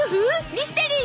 ミステリー！